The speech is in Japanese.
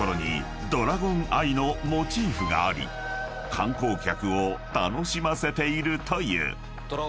［観光客を楽しませているという］